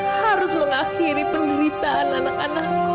harus mengakhiri penderitaan anak anakku